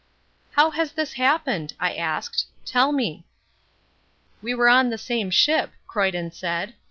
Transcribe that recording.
"How has this happened?" I asked. "Tell me." "We were on the same ship," Croyden said.